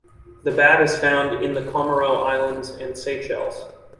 The bat is found in the Comoro Islands and Seychelles.